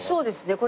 これ。